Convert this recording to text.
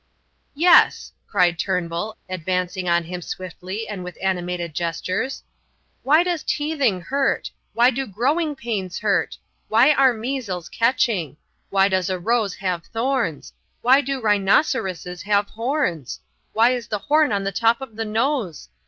"Yes," cried Turnbull, advancing on him swiftly and with animated gestures, "why does teething hurt? Why do growing pains hurt? Why are measles catching? Why does a rose have thorns? Why do rhinoceroses have horns? Why is the horn on the top of the nose?